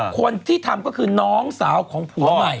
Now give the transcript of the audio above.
คนที่ทำก็คือน้องสาวของผัวใหม่